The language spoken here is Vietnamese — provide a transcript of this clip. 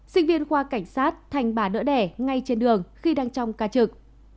sinh viên khoa cảnh sát thành bà đỡ đẻ ngay trên đường khi đang trong ca trực